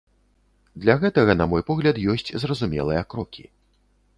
Для гэтага, на мой погляд, ёсць зразумелыя крокі.